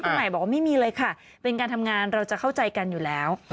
คุณหมายบอกว่าไม่มีเลยค่ะเป็นการทำงานเราจะเข้าใจกันอยู่แล้ว